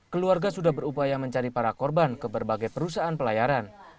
keluarga sudah berupaya mencari para korban ke berbagai perusahaan pelayaran